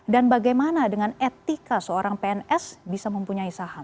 dan bagaimana dengan etika seorang pns bisa mempunyai saham